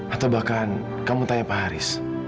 atau bahkan kamu tanya pak haris